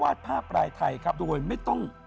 วาดภาพปลายไทยตัวโดยไม่ต้อง